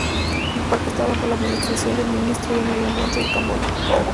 El parque está bajo la administración del Ministerio de Medio Ambiente de Camboya.